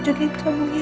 jangan jadikan kemungnya